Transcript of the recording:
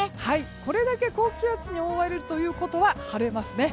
これだけ高気圧に覆われるということは晴れますね。